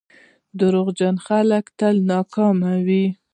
• دروغجن خلک تل ناکام وي.